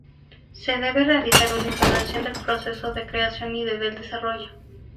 Se debe realizar una evaluación del proceso de creación y del desarrollo.